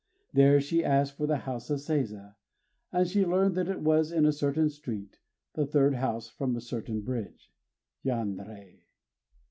There she asked for the house of Seiza; and she learned that it was in a certain street, the third house from a certain bridge. _Yanrei!